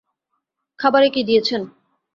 খাবারে কী দিয়েছেন?